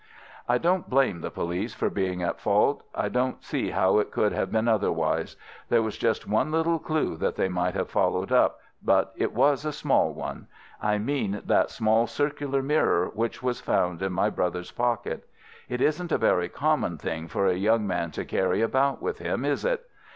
"I don't blame the police for being at fault. I don't see how it could have been otherwise. There was just one little clew that they might have followed up, but it was a small one. I mean that small circular mirror which was found in my brother's pocket. It isn't a very common thing for a young man to carry about with him, is it?